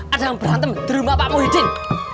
ada yang berantem di rumah pak muhyiddin